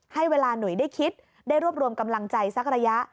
ให้เวลาหนุ่ยได้คิดได้รวบรวมกำลังใจสักระยะ